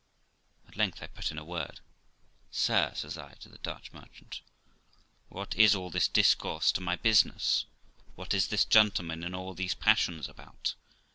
At length I put in a word. 'Sir', says I to the Dutch merchant, 'what is all this discourse to my business? What is this gentleman in all these passions about?